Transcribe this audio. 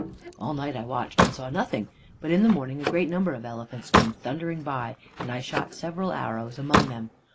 "All night I watched, and saw nothing, but in the morning a great number of elephants came thundering by, and I shot several arrows among them.